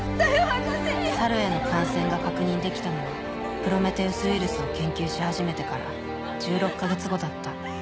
博士猿への感染が確認できたのはプロメテウス・ウイルスを研究し始めてから１６か月後だった。